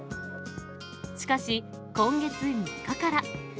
しかし、今月３日から。